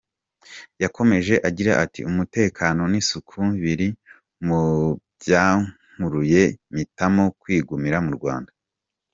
Yakomeje agira ati ”Umutekano n’isuku biri mu byankuruye mpitamo kwigumira mu Rwanda.